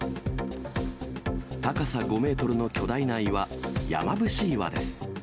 高さ５メートルの巨大な岩、山伏岩です。